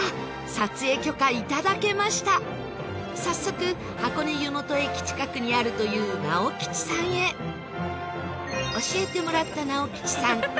撮影許可いただけました早速、箱根湯本駅近くにあるという直吉さんへ教えてもらった直吉さん